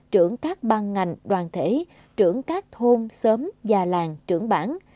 trưởng các ban ngành đoàn thể trưởng các thôn xóm già làng trưởng bản